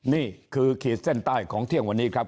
นี่คือขีดเส้นใต้ของเที่ยงวันนี้ครับ